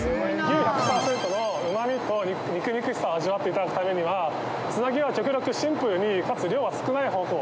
牛１００％のうま味と肉肉しさを味わっていただくためにはつなぎは極力シンプルにかつ量は少ない。